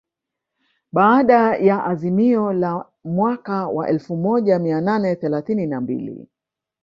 Baada ya azimio la mwaka wa elfu moja mia nane thelathini na mbili